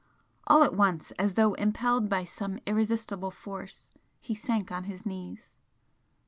All at once, as though impelled by some irresistible force, he sank on his knees.